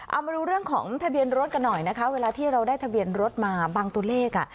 เอามาดูเรื่องของทะเบียนรถกันหน่อยนะคะเวลาที่เราได้ทะเบียนรถมาบางตัวเลขอ่ะ